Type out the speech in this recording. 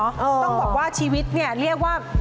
ต้องบอกว่าชีวิตเนี่ยเรียกว่า